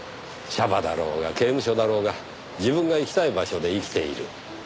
娑婆だろうが刑務所だろうが自分が生きたい場所で生きている。